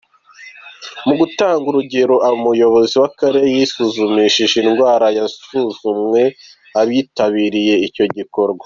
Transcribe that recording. Mu gutanga urugero, umuyobozi w’akarere yisuzumishije indwara zasuzumwe abitabiriye icyo gikorwa.